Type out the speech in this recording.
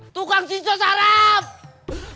tukang cincau sarap